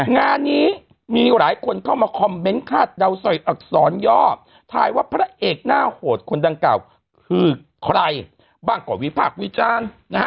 งานนี้มีหลายคนเข้ามาคอมเม้นท์ค่าดาวใส่อักษรยอบถ่ายว่าพระเอกน่าโหดคนดังเก่าคือใครบ้างกว่าวิภาควิจารณ์